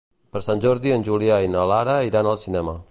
Per Sant Jordi en Julià i na Lara iran al cinema.